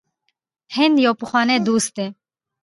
هند یو پخوانی دوست دی.